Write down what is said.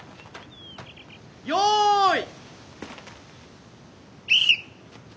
よい。